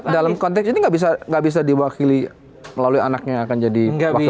dalam konteks ini nggak bisa diwakili melalui anaknya yang akan jadi wakilnya